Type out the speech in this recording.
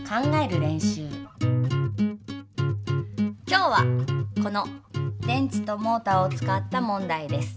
今日はこの電池とモーターを使った問題です。